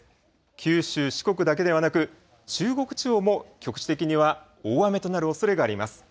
九州、四国だけではなく、中国地方も局地的には大雨となるおそれがあります。